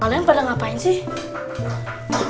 kalian pada ngapain sih